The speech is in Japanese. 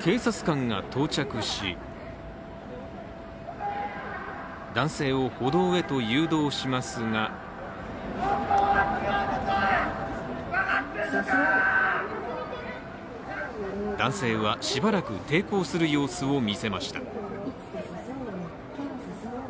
警察官が到着し男性を歩道へと誘導しますが男性はしばらく抵抗する様子を見せました。